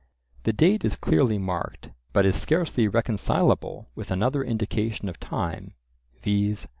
The date is clearly marked, but is scarcely reconcilable with another indication of time, viz.